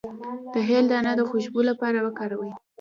د هل دانه د خوشبو لپاره وکاروئ